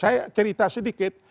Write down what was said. saya cerita sedikit